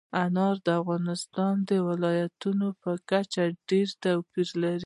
انار د افغانستان د ولایاتو په کچه ډېر توپیر لري.